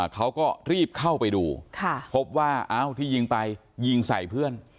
เขาก็รีบเข้าไปดูพบว่าที่ยิงไปยิงใส่เพื่อน